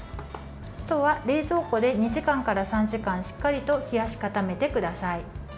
あとは冷蔵庫で２時間から３時間しっかりと冷やし固めてください。